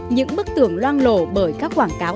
những bức tường loang lộ bởi các quảng cáo